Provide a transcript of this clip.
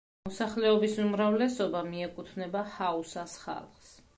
მოსახლეობის უმრავლესობა მიეკუთვნება ჰაუსას ხალხს.